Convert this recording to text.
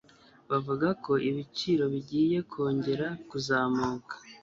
Bavuga ko ibiciro bigiye kongera kuzamuka